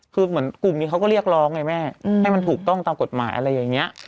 คือเหมือนกลุ่มนี้เขาก็เรียกร้องไงแม่ให้มันถูกต้องตามกฎหมายอะไรอย่างนี้